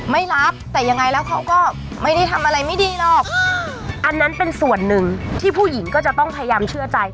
ไม่รับแต่ยังไงแล้วเขาก็ไม่ได้ทำอะไรไม่ดีหรอกอันนั้นเป็นส่วนหนึ่งที่ผู้หญิงก็จะต้องพยายามเชื่อใจ